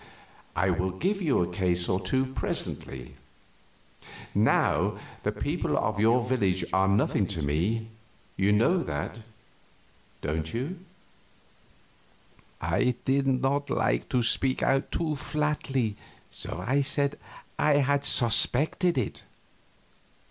I will give you a case or two presently. Now the people of your village are nothing to me you know that, don't you?" I did not like to speak out too flatly, so I said I had suspected it.